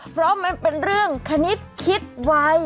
เพราะมันเป็นเรื่องคณิตคิดไว